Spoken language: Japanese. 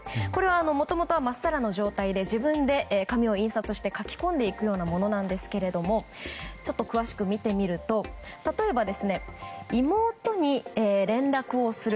もともとは、まっさらな状態で自分で紙を印刷して書き込んでいくようなものなんですがちょっと詳しく見てみると例えば、妹に連絡をする。